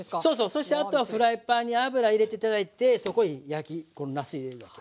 そしてあとはフライパンに油入れて頂いてそこにこのなす入れるわけ。